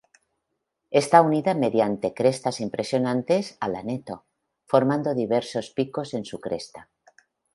Está unida mediante crestas impresionantes al Aneto, formando diversos picos en su cresta.